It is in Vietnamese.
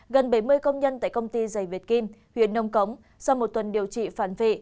gần bảy mươi công nhân tại công ty giày việt kim huyện nông cống sau một tuần điều trị phản vị